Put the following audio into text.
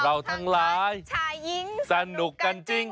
เราทั้งหลายชายหญิงสนุกกันจริง